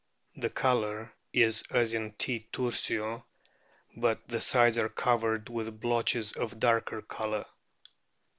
The colour is as in T. tursio, but the sides are covered with blotches of darker colour.